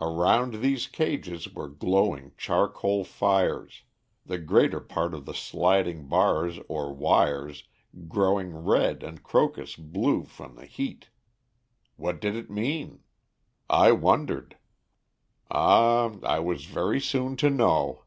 "Around these cages were glowing charcoal fires, the greater part of the sliding bars or wires growing red and crocus blue from the heat. What did it mean? "I wondered. Ah! I was very soon to know."